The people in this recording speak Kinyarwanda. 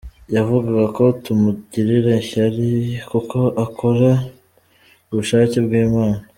Yavugaga ko tumugirira ishyari kuko akora ubushake bw’Imana.